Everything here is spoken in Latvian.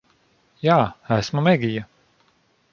Jā. Esmu Megija.